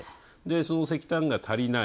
その石炭が足りない。